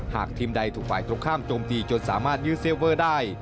หากทีมใดถูกฝ่ายตรงข้ามโจมตีจนสามารถยืดเซเวอร์ได้